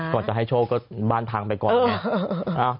ก่อนจะให้โชคก็บ้านพังไปก่อนไง